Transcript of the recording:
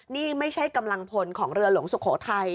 นี่ไม่ใช่กำลังพลของเรือหลวงสุโขทัย